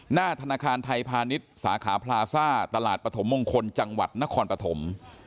หน้าธนาคารไทยพาณิชย์สาขาพลาซ่าตลาดปฐมมงคลจังหวัดนครปฐม